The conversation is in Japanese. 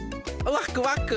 ワクワク。